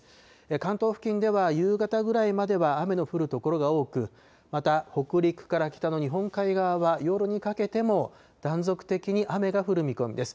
関東付近では夕方ぐらいまでは雨の降る所が多く、また、北陸から北の日本海側は夜にかけても断続的に雨が降る見込みです。